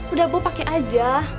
udah bu pakai aja